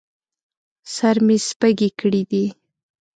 سر مې سپږې کړي دي